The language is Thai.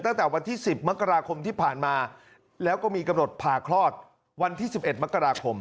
ตั้งแต่วันที่๑๐มกราคมที่ผ่านมาแล้วก็มีกำหนดผ่าคลอดวันที่๑๑มกราคม